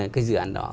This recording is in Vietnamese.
cái dự án đó